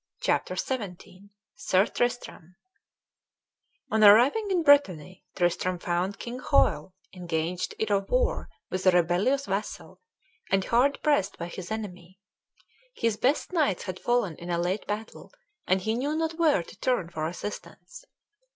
CHAPTER XVII SIR TRISTRAM On arriving in Brittany Tristram found King Hoel engaged in a war with a rebellious vassal, and hard pressed by his enemy. His best knights had fallen in a late battle, and he knew not where to turn for assistance.